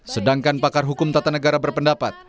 sedangkan pakar hukum tata negara berpendapat